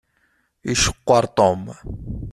Iceqqeṛ Tom.